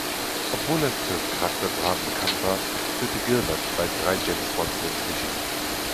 Obwohl er für Charakterdramen bekannt war, führte Gilbert bei drei James Bond-Filmen Regie.